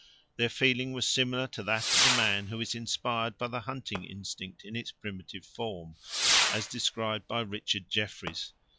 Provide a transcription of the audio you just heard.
Their feeling was similar to that of the man who is inspired by the hunting instinct in its primitive form, as described by Richard Jefferies.